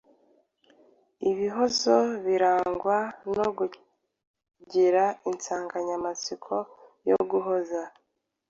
Ibihozo birangwa no kugira insanganyamatsiko yo guhoza.